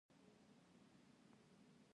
د اتریشیانو سمندري توپخانې دی سخت په غوسه کړی و.